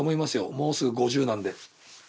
もうすぐ５０なんで。